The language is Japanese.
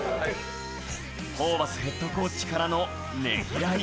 ホーバスヘッドコーチからのねぎらい。